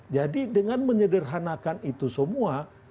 jadi dengan menyederhanakan itu semua